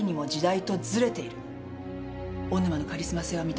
小沼のカリスマ性は認めます。